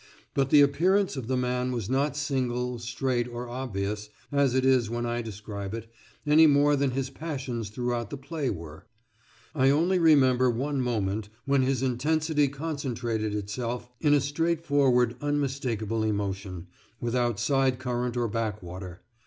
But the appearance of the man was not single, straight, or obvious, as it is when I describe it, any more than his passions throughout the play were. I only remember one moment when his intensity concentrated itself in a straightforward unmistakable emotion, without side current or back water.